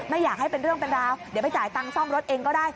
ไม่อยากให้เป็นเรื่องเป็นราวเดี๋ยวไปจ่ายตังค์ซ่อมรถเองก็ได้